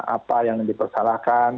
apa yang dipersalahkan